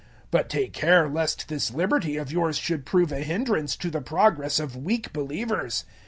008:009 But take care lest this liberty of yours should prove a hindrance to the progress of weak believers.